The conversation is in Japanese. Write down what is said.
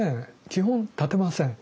基本立てません。